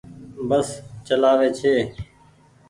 بس چلآوي ڇي۔